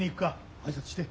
挨拶して。